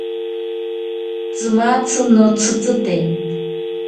Tsimatzi notsitsite.